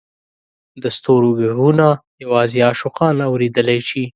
د ستورو ږغونه یوازې عاشقان اورېدلای شي.